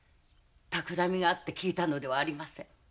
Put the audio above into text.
企みがあって訊いたのではありません。